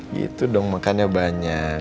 gitu dong makannya banyak